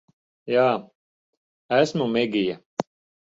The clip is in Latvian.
Jā. Esmu Megija.